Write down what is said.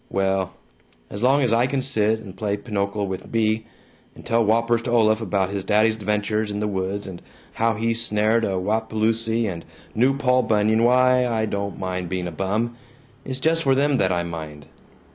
Well As long as I can sit and play pinochle with Bea, and tell whoppers to Olaf about his daddy's adventures in the woods, and how he snared a wapaloosie and knew Paul Bunyan, why, I don't mind being a bum. It's just for them that I mind.